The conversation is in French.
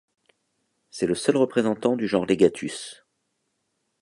C'est le seul représentant du genre Legatus.